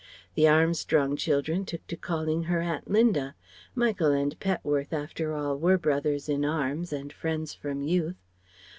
The Armstrong children took to calling her Aunt Linda Michael and Petworth, after all, were brothers in arms and friends from youth.